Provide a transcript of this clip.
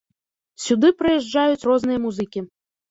Сюды прыязджаюць розныя музыкі.